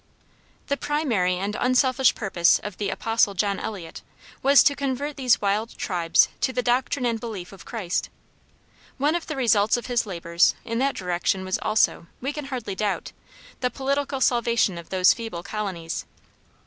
The primary and unselfish purpose of the "Apostle" John Eliot was to convert these wild tribes to the doctrine and belief of Christ. One of the results of his labors in that direction was also, we can hardly doubt, the political salvation of those feeble colonies.